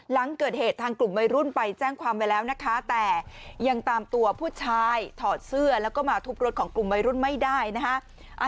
หลังเกิดเหตุทางกลุ่มวัยรุ่นไปแจ้งความไว้แล้วนะคะแต่ยังตามตัวผู้ชายถอดเสื้อแล้วก็มาทุบรถของกลุ่มวัยรุ่นไม่ได้นะคะ